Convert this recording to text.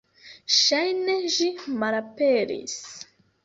Ŝajne ĝi malaperis.